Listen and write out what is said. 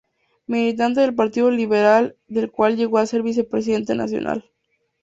Militante del Partido Liberal, del cual llegó a ser Vicepresidente Nacional.